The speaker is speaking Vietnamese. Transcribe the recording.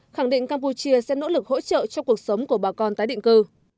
khẳng định campuchia sẽ nỗ lực hỗ trợ cho cuộc sống của bà con tái định cư